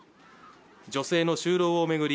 女性の就労を巡り